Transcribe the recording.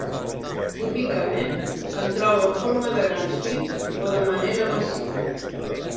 Típicament se'n troba en forma de grans fins o de manera massiva.